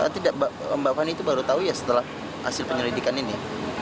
tidak mbak fani itu baru tahu ya setelah hasil penyelidikan ini